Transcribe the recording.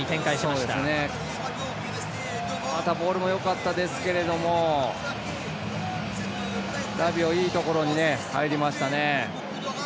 またボールもよかったですけれどもラビオ、いいところに入りましたね。